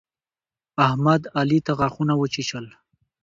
احمد، علي ته غاښونه وچيچل.